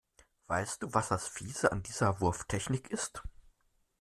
Weißt du, was das Fiese an dieser Wurftechnik ist?